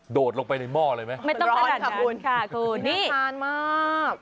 โดดลงไปในหม้อเลยไหมร้อนค่ะคุณน่ารักทานมาก